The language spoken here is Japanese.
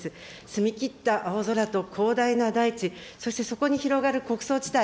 澄み切った青空と広大な大地、そしてそこに広がる穀倉地帯。